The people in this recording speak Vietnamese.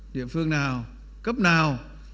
địa phương nào cấp nào